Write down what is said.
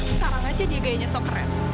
sekarang aja dia gayanya sok keren